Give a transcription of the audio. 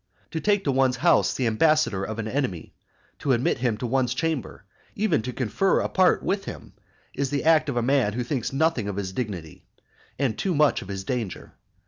To take to one's house the ambassador of an enemy, to admit him to one's chamber, even to confer apart with him, is the act of a man who thinks nothing of his dignity, and too much of his danger.